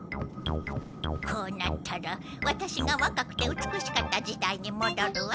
こうなったらワタシがわかくて美しかった時代にもどるわ。